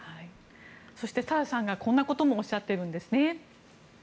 そして、サラさんがこんなこともおっしゃってるんですね。